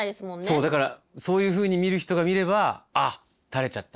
そうだからそういうふうに見る人が見れば「あったれちゃった。